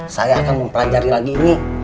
saya akan mempelajari lagi ini